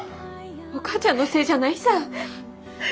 お母ちゃんのせいじゃないさ。